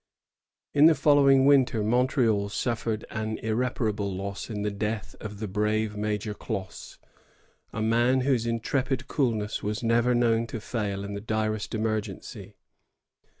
In the following winter, Montreal suffered an irreparable loss in the death of the brave Major Glosse, a man whose intrepid coolness was never known to &il in the direst emergency.